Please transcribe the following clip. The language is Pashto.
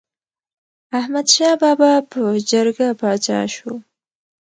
احمد شاه بابا په جرګه پاچا شو.